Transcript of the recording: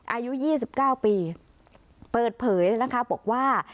อายุ๒๙ปีเปิดเผยนะคะบอกว่า